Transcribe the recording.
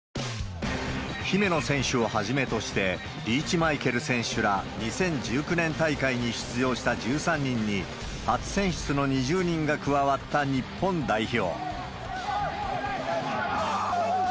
姫野選手をはじめとして、リーチマイケル選手ら、２０１９年大会に出場した１３人に初選出の２０人が加わった日本代表。